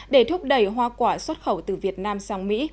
để thúc đẩy hoa quả xuất khẩu từ việt nam sang mỹ